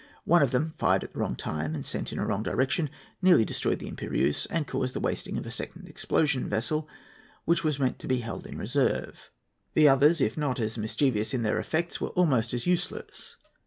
One of them, fired at the wrong time and sent in a wrong direction, nearly destroyed the Impérieuse and caused the wasting of a second explosion vessel, which was meant to be held in reserve. The others, if not as mischievous in their effects, were almost as useless.